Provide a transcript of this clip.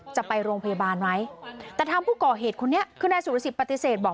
จะไปโรงพยาบาลไหมแต่ทางผู้ก่อเหตุคนนี้คือนายสุรสิทธิปฏิเสธบอก